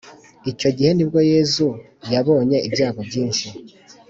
Icyo gihe nibwo yezu yabonye ibyago byinshi